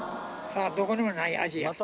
どこにもない味や。